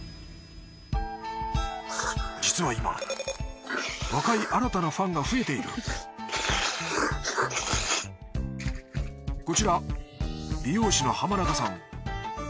実は今若い新たなファンが増えているこちら美容師の濱中さん。